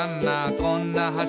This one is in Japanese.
こんな橋」